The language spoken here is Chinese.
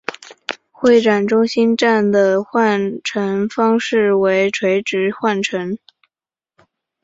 会展中心站的换乘方式为垂直换乘。